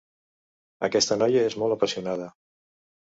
Aquesta noia és molt apassionada.